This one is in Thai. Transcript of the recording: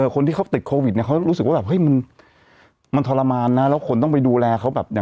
คนที่เขาติดโควิดเนี่ยเขารู้สึกว่ามันทรมานนะแล้วคนต้องไปดูแลเขาแบบ